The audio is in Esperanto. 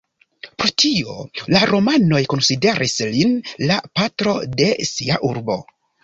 Pro tio, la romanoj konsideris lin la patro de sia urbo.